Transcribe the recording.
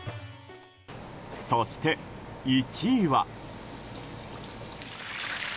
そして１位は。